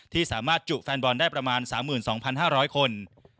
ที่สามารถจุแฟนบอลได้ประมาณ๓๒๕๐๐คน